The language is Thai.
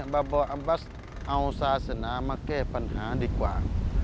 บางบอกว่าเอาศาสนามาเก้ปัญหาดีกว่า